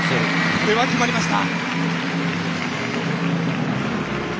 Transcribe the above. これは決まりました！